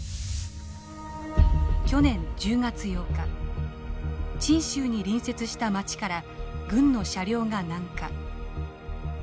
去年１０月８日チン州に隣接した町から軍の車両が南下。